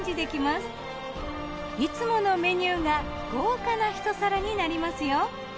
いつものメニューが豪華なひと皿になりますよ。